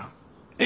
ええ？